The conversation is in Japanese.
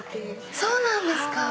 そうなんですか！